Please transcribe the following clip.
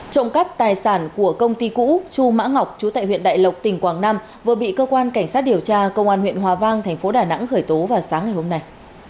trộm cắp tài sản của công ty cũ chu mã ngọc chú tại huyện đại lộc tỉnh quảng nam vừa bị cơ quan cảnh sát điều tra công an huyện hòa vang thành phố đà nẵng khởi tố vào sáng ngày hôm nay